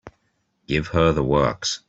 Give her the works.